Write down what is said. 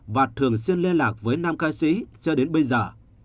và thường xuyên liên lạc với nam ca sĩ cho đến bây giờ